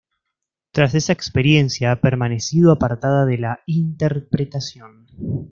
Tras esa experiencia, ha permanecido apartada de la interpretación.